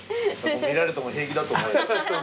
見られても平気だと思うよ。